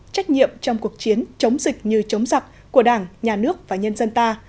trách nhiệm trong cuộc chiến chống dịch như chống giặc của đảng nhà nước và nhân dân ta